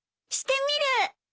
してみる！